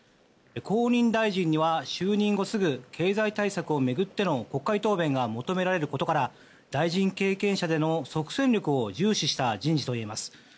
後任大臣には就任後すぐ経済対策を巡っての国会答弁が求められることから大臣経験者での即戦力を重視した人事といえます。